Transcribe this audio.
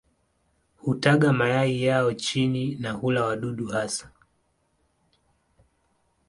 Hutaga mayai yao chini na hula wadudu hasa.